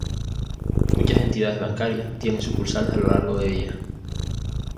Muchas entidades bancarias tienen sucursales a lo largo de ella.